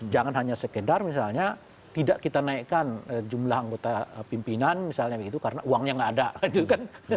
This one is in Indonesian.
jangan hanya sekedar misalnya tidak kita naikkan jumlah anggota pimpinan misalnya begitu karena uangnya nggak ada gitu kan